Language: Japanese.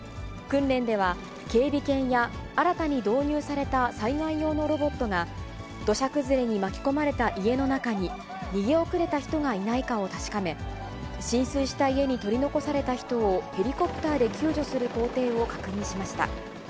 訓練では、警備犬や、新たに導入された災害用のロボットが、土砂崩れに巻き込まれた家の中に逃げ遅れた人がいないかを確かめ、浸水した家に取り残された人をヘリコプターで救助する工程を確認しました。